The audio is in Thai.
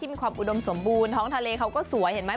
มีความอุดมสมบูรณ์ท้องทะเลเขาก็สวยเห็นไหม